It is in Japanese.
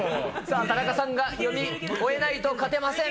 田中さんが読み終えないと勝てません。